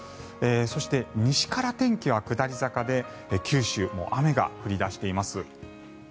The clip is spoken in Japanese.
そして、西から天気は下り坂で九州もう雨が降り出しています。